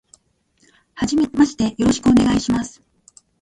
初めましてよろしくお願いします。